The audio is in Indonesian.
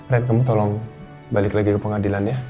ren kamu tolong balik lagi ke pengadilan ya